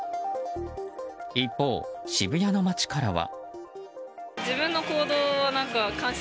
一方、渋谷の街からは。